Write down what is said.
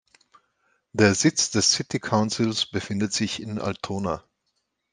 Der Sitz des City Councils befindet sich in Altona.